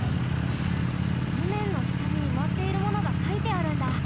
地面のしたにうまっているものがかいてあるんだ。